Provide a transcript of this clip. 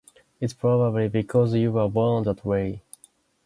It's probably because you were born that way.